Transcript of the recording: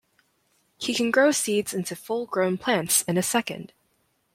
He can grow seeds into full grown plants in a second.